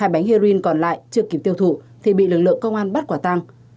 hai bánh heroin còn lại chưa kịp tiêu thụ thì bị lực lượng công an bắt quả tăng